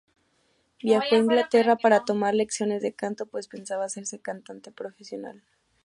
Viajó a Inglaterra para tomar lecciones de canto, pues pensaba hacerse cantante profesional.